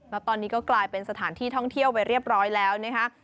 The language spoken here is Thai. แล้วตอนนี้ก็กลายเป็นสถานที่ท่องเที่ยวไปเรียบร้อยแล้วนะคะ